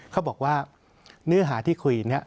เขาบอกว่าเนื้อหาที่คุยเนี่ย